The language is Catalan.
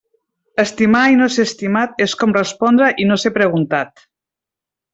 Estimar i no ser estimat és com respondre i no ser preguntat.